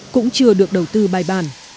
cũng chưa được đầu tư bài bản